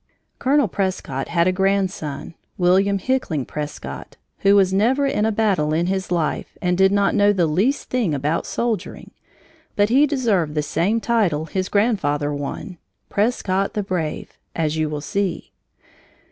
Colonel Prescott had a grandson, William Hickling Prescott, who was never in a battle in his life and did not know the least thing about soldiering, but he deserved the same title his grandfather won "Prescott, the brave" as you will see.